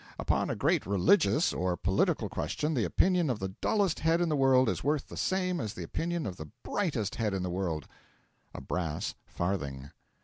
Upon a great religious or political question the opinion of the dullest head in the world is worth the same as the opinion of the brightest head in the world a brass farthing.